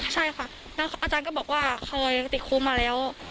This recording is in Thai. ใช่ค่ะแล้วอาจารย์ก็บอกว่าเคยติดคุกมาแล้ว